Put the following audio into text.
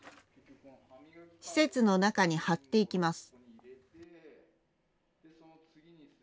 施設の中に貼っていきます。